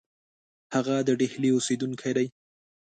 هغه د ډهلي اوسېدونکی دی.